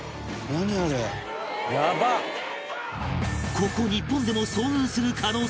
ここ日本でも遭遇する可能性あり